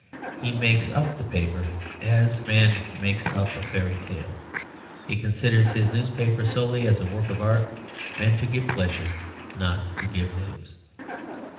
He "makes up" the paper as man "makes up" a fairy tale, he considers his newspaper solely as a work of art, meant to give pleasure, not to give news.